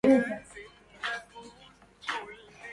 إذا خاب داع أو تناهى دعاؤه